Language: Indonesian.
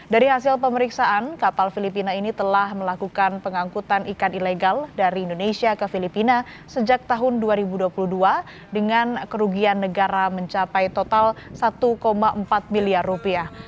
dari hasil pemeriksaan kapal filipina ini telah melakukan pengangkutan ikan ilegal dari indonesia ke filipina sejak tahun dua ribu dua puluh dua dengan kerugian negara mencapai total satu empat miliar rupiah